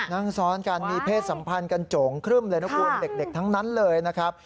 นั่งซ้อนกันมีเพศสัมพันธ์กันโจ่งครึ่มเลยนะคุณเด็กทั้งนั้นเลยนะครับ